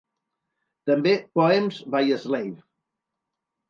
També, "Poems by a Slave".